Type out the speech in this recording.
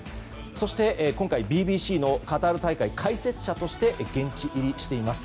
そして今回、ＢＢＣのカタール大会の解説者として現地入りしています。